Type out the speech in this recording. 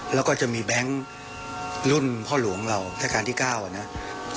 และก็จะมีแบงก์รุ่นพ่อหลวงของเราใต้การที่๙เนี่ย